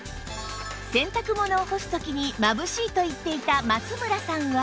洗濯物を干す時にまぶしいと言っていた松村さんは